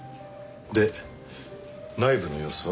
で内部の様子は？